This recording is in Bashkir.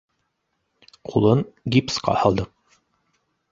Ҡулын гипсҡа һалдыҡ